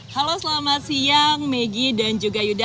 halo selamat siang maggie dan juga yuda